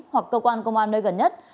hoặc cơ quan công an nơi gần nhất